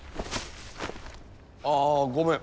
ああごめん。